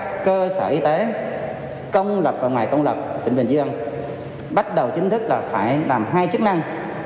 các cơ sở y tế công lập và ngoài công lập tỉnh bình dương bắt đầu chính thức là phải làm hai chức năng